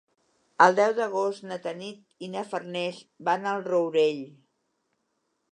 El deu d'agost na Tanit i na Farners van al Rourell.